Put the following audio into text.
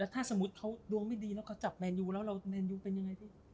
ถ้าสมมุติเขาดวงไม่ดีแล้วเขาจับแมนยูแล้วเราแมนยูเป็นยังไงพี่